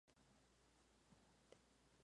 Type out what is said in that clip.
Dirigió esta iglesia particular durante doce años.